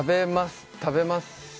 食べます。